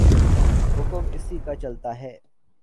حکم اسی کا چلتاہے۔